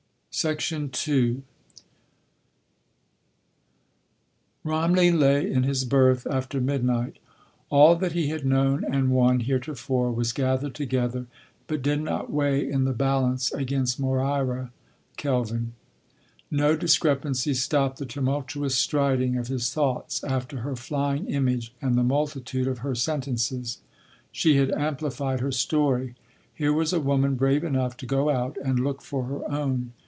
*2* Romney lay in his berth after midnight. All that he had known and won heretofore was gathered together but did not weigh in the balance against Moira Kelvin. No discrepancy stopped the tumultuous striding of his thoughts after her flying image and the multitude of her sentences. She had amplified her story. Here was a woman brave enough to go out and look for her own.